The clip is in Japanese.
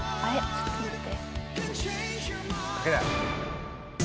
ちょっと待って。